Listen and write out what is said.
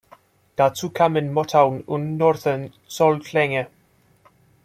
Dazu kamen Motown- und Northern-Soul-Klänge.